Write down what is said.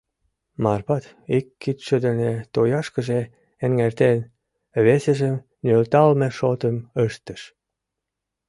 Марпат, ик кидше дене тояшкыже эҥертен, весыжым нӧлталме шотым ыштыш.